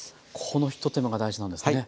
この一手間が大事なんですね。